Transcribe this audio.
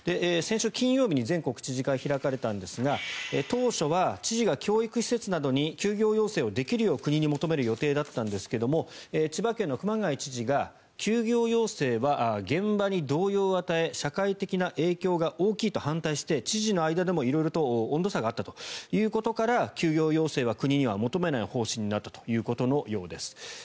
先週金曜日に全国知事会が開かれましたが当初は知事が教育施設などに休業要請をできるよう国に求める予定だったんですけれども千葉県の熊谷知事が休業要請は現場に動揺を与え社会的な影響が大きいと反対して知事の間でも色々と温度差があったということから休業要請は国には求めない方針になったということのようです。